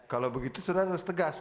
kalau begitu saudara harus tegas